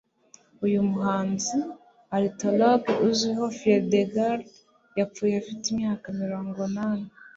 Uyu muhanzi & ornithologue uzwiho "Field Guide" yapfuye afite imyaka miringo nani